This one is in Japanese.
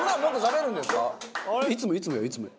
いつもいつもよいつも。